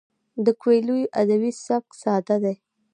د کویلیو ادبي سبک ساده دی.